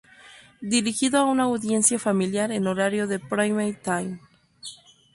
Dirigido a una audiencia familiar en horario de "prime-time".